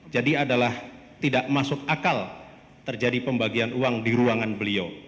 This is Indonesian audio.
jadi adalah tidak masuk akal terjadi pembagian uang di ruangan beliau